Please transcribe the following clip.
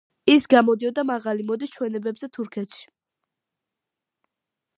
ის გამოდიოდა მაღალი მოდის ჩვენებებზე თურქეთში.